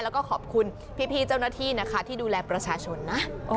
แล้วก็ขอบคุณพี่เจ้าหน้าที่นะคะที่ดูแลประชาชนนะ